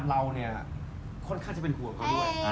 เราเนี่ยค่อนข้างจะเป็นห่วงเขาด้วย